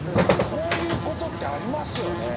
こういうことってありますよね。